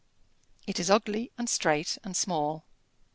It is ugly, and straight, and small.